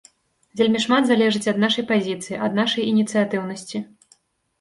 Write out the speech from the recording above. Вельмі шмат залежыць ад нашай пазіцыі, ад нашай ініцыятыўнасці.